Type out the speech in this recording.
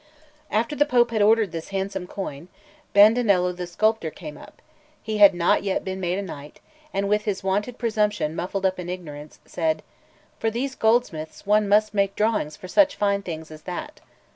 After the Pope had ordered this handsome coin, Bandinello the sculptor came up; he had not yet been made a knight; and, with his wonted presumption muffled up in ignorance, said: "For these goldsmiths one must make drawings for such fine things as that."